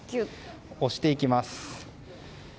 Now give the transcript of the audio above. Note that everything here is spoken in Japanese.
押していきます。